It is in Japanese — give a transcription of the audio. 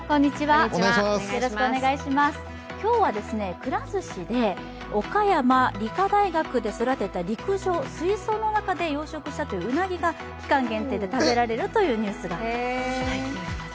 今日はくら寿司で岡山理科大学で育てた陸上、水槽の中で養殖したといううなぎが期間限定で食べられるというニュースが入っております。